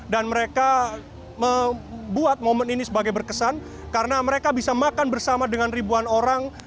dan mereka membuat momen ini sebagai berkesan karena mereka bisa makan bersama dengan ribuan orang